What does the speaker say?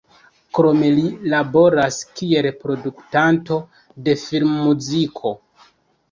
Krome li laboras kiel produktanto de filmmuziko.